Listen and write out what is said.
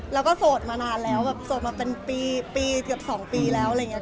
แล้วก็โสดมานานแล้วแบบโสดมาเป็นปีเกือบ๒ปีแล้วอะไรอย่างนี้